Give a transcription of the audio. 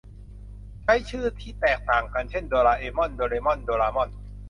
ใช้ชื่อที่แตกต่างกันเช่น โดราเอมอน โดเรมอน โดรามอน